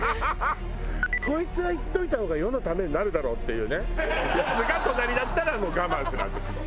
「こいつはいっといた方が世のためになるだろう」っていうねヤツが隣だったらもう我慢する私も。